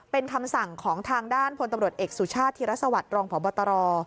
เป็นคำสั่งของทางด้านพลตำรวจเอกสุชาติธิรสวัสดิรองพบตร